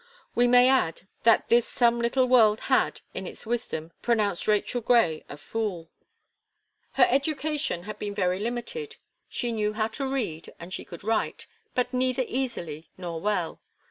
We may add, that this some little world had, in its wisdom, pronounced Rachel Gray a fool. Her education had been very limited. She knew how to read, and she could write, but neither easily nor well.